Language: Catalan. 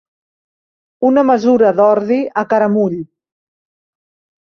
Una mesura d'ordi a caramull.